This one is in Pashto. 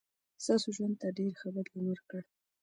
ستاسو ژوند ته ډېر ښه بدلون ورکړ.